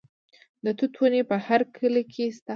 د توت ونې په هر کلي کې شته.